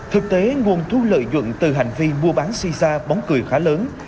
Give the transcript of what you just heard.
thực tế nguồn thu lợi dụng từ hành vi mua bán xì xa bóng cười khá lớn